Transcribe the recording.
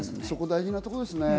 大事なところですね。